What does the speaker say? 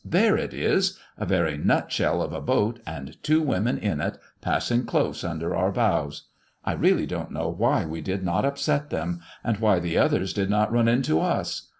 there it is a very nut shell of a boat, and two women in it, passing close under our bows. I really dont know why we did not upset them, and why the others did not run into us.